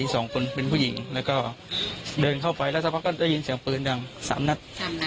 สองคนเป็นผู้หญิงแล้วก็เดินเข้าไปแล้วสักพักก็ได้ยินเสียงปืนดังสามนัด